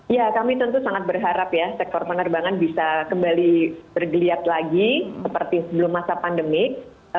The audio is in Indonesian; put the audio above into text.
ya kami tentu sangat berharap ya sektor penerbangan bisa kembali bergeliat lagi seperti sebelum masa pandemik